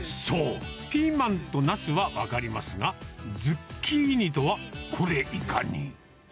そう、ピーマンとなすは分かりますが、ズッキーニとは、これいかに。